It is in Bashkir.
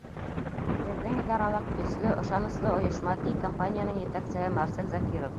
— Беҙҙең идаралыҡ — көслө, ышаныслы ойошма, — ти компанияның етәксеһе Марсель Закиров.